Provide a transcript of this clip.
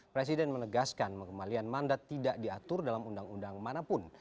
presiden menegaskan pengembalian mandat tidak diatur dalam undang undang manapun